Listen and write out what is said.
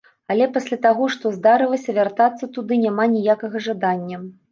Але пасля таго, што здарылася, вяртацца туды няма ніякага жадання.